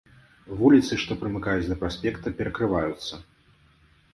Вуліцы, што прымыкаюць да праспекта, перакрываюцца.